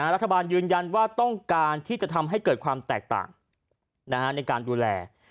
รัฐบาลยืนยันว่าต้องการที่จะทำให้เกิดความแตกต่างในการดูแล